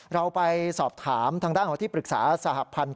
เราไปสอบถามทางด้านของที่ปรึกษาสหพันธ์